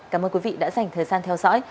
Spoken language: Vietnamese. cảm ơn quý vị đã dành thời gian theo dõi